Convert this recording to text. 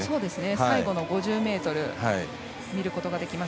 最後の５０ｍ見ることができます。